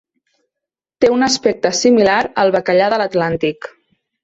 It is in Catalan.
Té un aspecte similar al bacallà de l'Atlàntic.